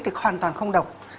thì hoàn toàn không độc